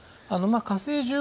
火星１５